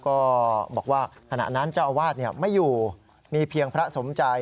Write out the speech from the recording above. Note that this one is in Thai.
ก็บอกว่าขณะนั้นเจ้าอาวาสไม่อยู่มีเพียงพระสมใจ